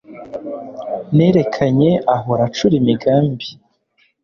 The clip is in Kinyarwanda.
nerekanye ahora acura imigambi